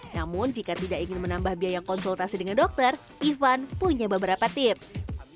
namun jika tidak ingin menambah biaya konsultasi dengan dokter ivan punya beberapa tips